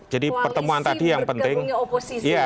jadi koalisi bergabungnya oposisi